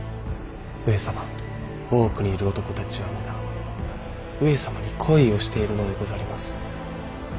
上様大奥にいる男たちは皆上様に恋をしているのでござります。